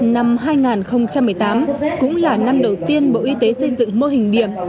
năm hai nghìn một mươi tám cũng là năm đầu tiên bộ y tế xây dựng mô hình điểm